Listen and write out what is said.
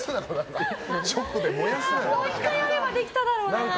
もう１回やればできただろうな。